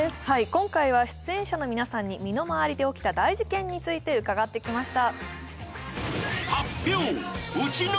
今回は出演者の皆さんに身の回りで起きた大事ケンについて聞いてきました。